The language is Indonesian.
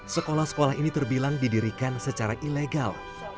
sekolah sekolah ini terbilang didirikan secara ilegal